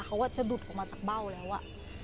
เขาก็จะหลุดออกมาจากเบ้าแล้วอ่ะ